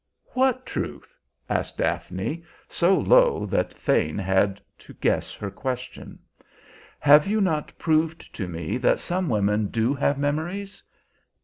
"What truth?" asked Daphne, so low that Thane had to guess her question. "Have you not proved to me that some women do have memories?"